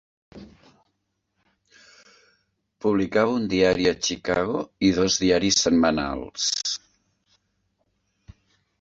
Publicava un diari a Chicago i dos diaris setmanals.